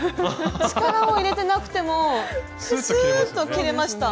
力を入れてなくてもスーッと切れました。